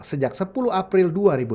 sejak sepuluh april dua ribu delapan belas